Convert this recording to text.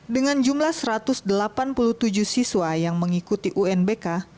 dengan jumlah satu ratus delapan puluh tujuh siswa yang mengikuti unbk